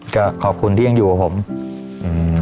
ก็ขอบคุณที่ยังอยู่กับผมอืม